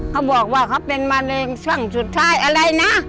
เขาบอกว่าเขาเป็นมะเร็งช่องสุดท้ายอะไรนะ